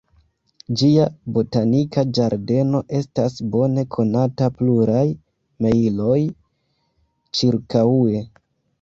Ĝia botanika ĝardeno estas bone konata pluraj mejloj ĉirkaŭe.